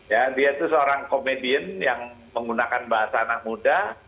ya dia itu seorang komedian yang menggunakan bahasa anak muda